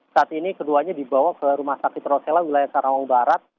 saat ini keduanya dibawa ke rumah sakit rosela wilayah karawang barat